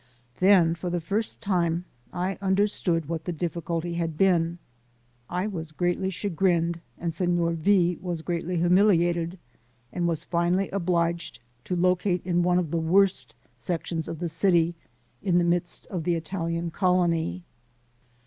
Then for the first time I understood what the difficulty had been. I was greatly chagrined and Signor V was greatly humiliated, and was finally obliged to locate in one of the worst sections of the city, in the midst of the Italian colony.